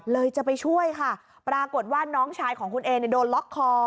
จะไปช่วยค่ะปรากฏว่าน้องชายของคุณเอเนี่ยโดนล็อกคอ